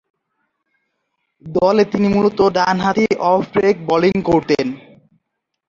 দলে তিনি মূলতঃ ডানহাতি অফ ব্রেক বোলিং করতেন।